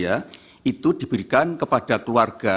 jadi itu diberikan kepada keluarga